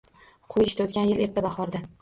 Qo’yishdi o’tgan yil erta bahorda.